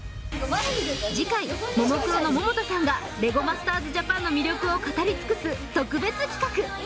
次回ももクロの百田さんが「レゴマスターズＪＡＰＡＮ」の魅力を語り尽くす特別企画